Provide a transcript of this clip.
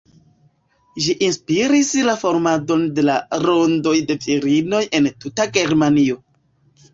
Ĝi inspiris la formadon de la rondoj de virinoj en tuta Germanio.